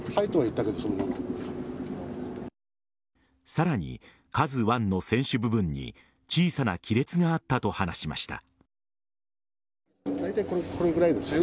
さらに「ＫＡＺＵ１」の船首部分に小さな亀裂があったと話しました。